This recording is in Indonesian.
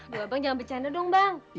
bu abang jangan bercanda dong bang